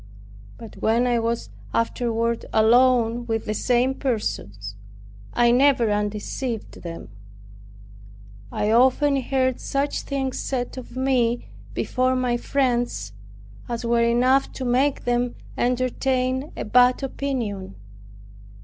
But when I was afterward alone with the same persons, I never undeceived them. I often heard such things said of me, before my friends, as were enough to make them entertain a bad opinion.